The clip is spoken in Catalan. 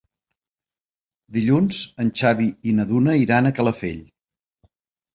Dilluns en Xavi i na Duna iran a Calafell.